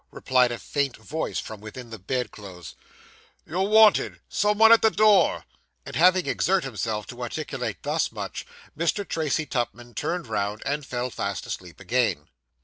replied a faint voice from within the bed clothes. 'You're wanted some one at the door;' and, having exerted himself to articulate thus much, Mr. Tracy Tupman turned round and fell fast asleep again.